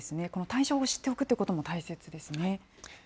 この対処法を知っておくということも大切ですね。